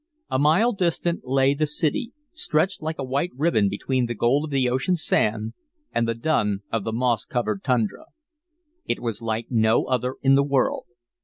A mile distant lay the city, stretched like a white ribbon between the gold of the ocean sand and the dun of the moss covered tundra. It was like no other in the world.